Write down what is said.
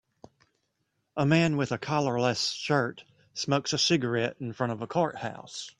A man with a collarless shirt smokes a cigarette in front of a courthouse.